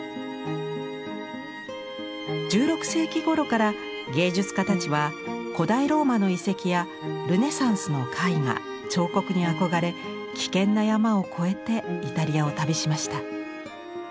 １６世紀ごろから芸術家たちは古代ローマの遺跡やルネサンスの絵画・彫刻に憧れ危険な山を越えてイタリアを旅しました。